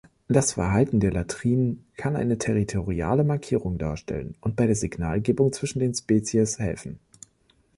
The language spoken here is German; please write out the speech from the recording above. Das Verhalten der Latrinen kann eine territoriale Markierung darstellen und bei der Signalgebung zwischen den Spezies helfen.